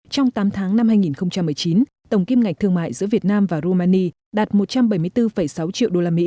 trong tám tháng năm hai nghìn một mươi chín tổng kim ngạch thương mại giữa việt nam và rumani đạt một trăm bảy mươi bốn sáu triệu usd